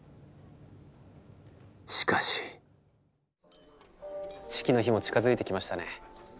しかし式の日も近づいてきましたね。